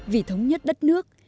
vì thống nhất đất nước